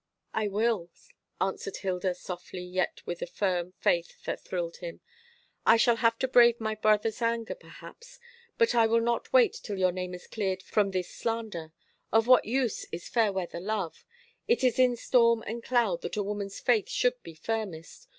"I will," answered Hilda softly, yet with a firm faith that thrilled him. "I shall have to brave my brother's anger, perhaps; but I will not wait till your name is cleared from this slander. Of what use is fair weather love? It is in storm and cloud that a woman's faith should be firmest.